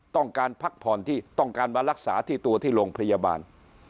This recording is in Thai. ต้องการพักผ่อนที่ต้องการมารักษาที่ตัวที่โรงพยาบาล